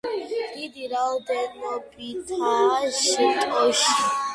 დიდი რაოდენობითაა შტოში.